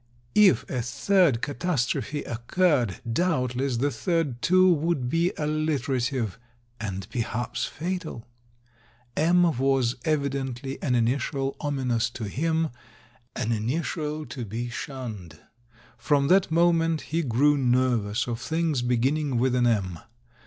If a third catastro phe occurred, doubtless the third, too, would be alliterative — and perhaps fatal. M was evidently an initial ominous to him, an initial to be shunned. From that moment he grew nervous of things be ginning with an M.